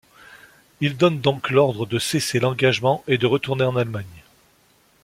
Il donne donc l'ordre de cesser l'engagement et de retourner en Allemagne.